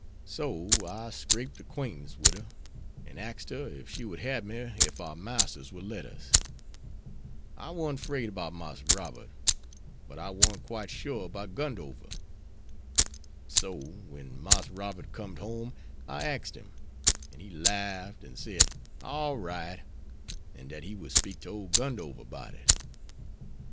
So I scraped 'quaintance wid her, and axed her ef she would hab me ef our marsters would let us. I warn't 'fraid 'bout Marse Robert, but I warn't quite shore 'bout Gundover. So when Marse Robert com'd home, I axed him, an' he larf'd an' said, 'All right,' an' dat he would speak to ole Gundover 'bout it.